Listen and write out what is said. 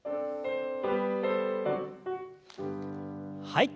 はい。